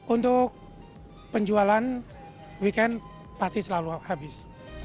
untuk penjualan weekend pasti selalu habis